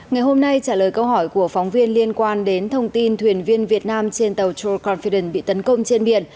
ngày hôm nay trả lời câu hỏi của phóng viên liên quan đến thông tin thuyền viên việt nam trên tàu cho confidence bị tấn công trên biển